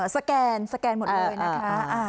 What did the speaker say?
สแกนสแกนหมดเลยนะคะ